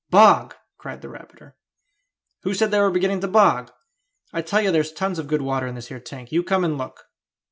"Bog!" cried the rabbiter. "Who said they were beginning to bog? I tell you there's tons of good water in this here tank; you come and look!"